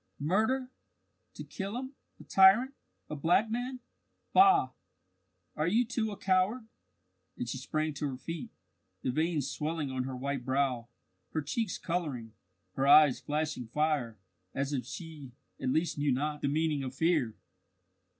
"Murder, to kill him a tyrant a black man! Bah! Are you too a coward?" And she sprang to her feet, the veins swelling on her white brow, her cheeks colouring, her eyes flashing fire, as if she, at least, knew not the meaning of fear.